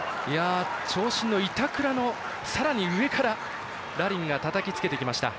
長身の板倉のさらに上からラリンがたたきつけてきました。